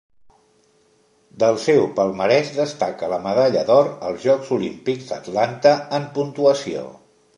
Del seu palmarès destaca la medalla d'or als Jocs Olímpics d'Atlanta en puntuació.